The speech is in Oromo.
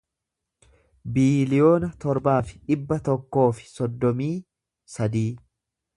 biiliyoona torbaa fi dhibba tokkoo fi soddomii sadii